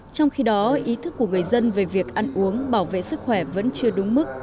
trong khi đó ý thức của người dân về việc ăn uống bảo vệ sức khỏe vẫn chưa đúng mức